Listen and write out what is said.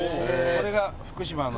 これが福島の。